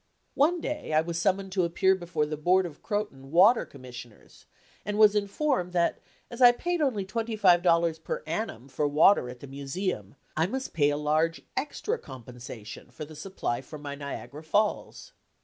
One day I was summoned to appear before the Board of Croton Water Commissioners, and was informed that as I paid only $25 per annum for water at the Museum, I must pay a large extra compensation for the supply for my Niagara Falls.